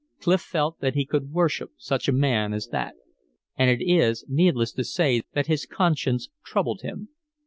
Clif felt that he could worship such a man as that. And it is needless to say that his conscience troubled him.